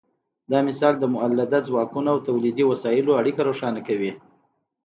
دا مثال د مؤلده ځواکونو او تولیدي وسایلو اړیکه روښانه کوي.